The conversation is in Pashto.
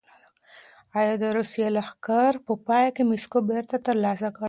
ایا د روسیې لښکر په پای کې مسکو بېرته ترلاسه کړ؟